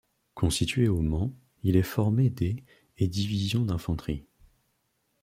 Constitué au Mans, il est formé des et Divisions d'Infanterie.